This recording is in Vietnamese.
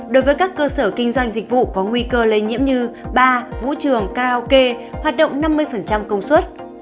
đối với các cơ sở kinh doanh dịch vụ có nguy cơ lây nhiễm như bar vũ trường karaoke hoạt động năm mươi công suất